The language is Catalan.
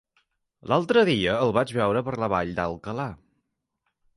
L'altre dia el vaig veure per la Vall d'Alcalà.